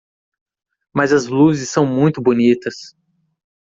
Mas as luzes são muito bonitas.